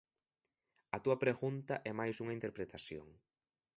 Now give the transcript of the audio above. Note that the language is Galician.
A túa pregunta é máis unha interpretación.